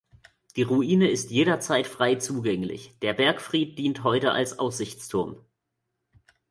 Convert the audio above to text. Die Ruine ist jederzeit frei zugänglich, der Bergfried dient heute als Aussichtsturm.